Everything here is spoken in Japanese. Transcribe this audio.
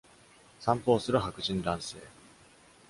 散歩をする白人男性。